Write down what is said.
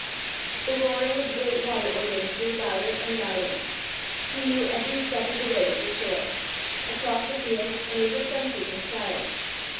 The roaring of the great water organ grew louder and louder. He knew every step of the way to the shore across the fields and over fences and stiles.